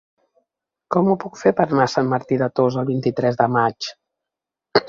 Com ho puc fer per anar a Sant Martí de Tous el vint-i-tres de maig?